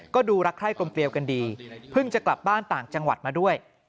ก็ดูรักใคร่กลมเกลียวกันดีเพิ่งจะกลับบ้านต่างจังหวัดมาด้วย